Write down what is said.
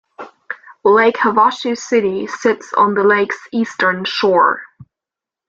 Lake Havasu City sits on the lake's eastern shore.